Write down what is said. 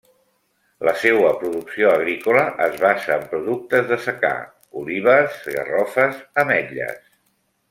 La seua producció agrícola es basa en productes de secà: olives, garrofes, ametles.